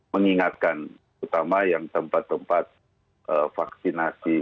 mengingatkan utama yang tempat tempat vaksinasi